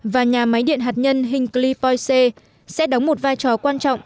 và nhà máy điện hạt nhân hinkley poisey sẽ đóng một vai trò quan trọng